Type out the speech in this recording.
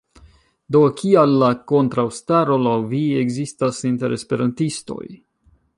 Do, kial la kontraŭstaro laŭ vi ekzistas inter esperantistoj?